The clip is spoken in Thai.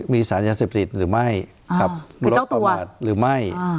๑มีศาลยาเสพศิษฐ์หรือไม่หรือไม่